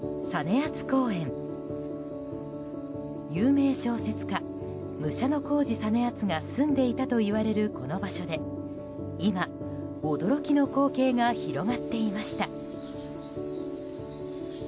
明治時代の有名小説家武者小路実篤が住んでいたといわれるこの場所で今、驚きの光景が広がっていました。